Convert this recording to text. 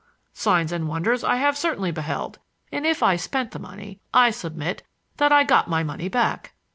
Signs and wonders I have certainly beheld, and if I spent the money I submit that I got my money back."